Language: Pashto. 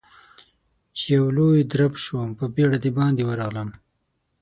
چې يو لوی درب شو، په بيړه د باندې ورغلم.